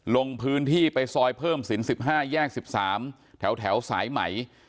ลงพื้นที่ไปซอยเพิ่มศิลป๑๕แยก๑๓แถวสายไหม